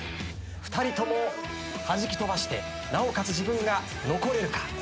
２人ともはじき飛ばしてなおかつ自分が残れるか。